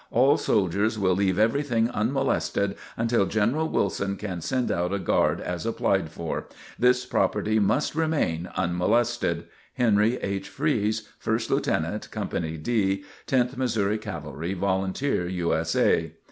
All soldiers will leave everything unmolested until General Wilson can send out a Guard as applied for. This property must remain unmolested. HENRY H. FREESE, 1st Lieut Co. D. 10th Mo. Cavalry, Volunteer U. S. A.